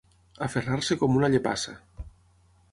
Aferrar-se com una llepassa.